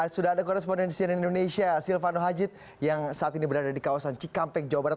sudah ada korespondensian indonesia silvano hajid yang saat ini berada di kawasan cikampek jawa barat